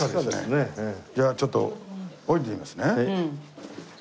じゃあちょっと下りてみますね。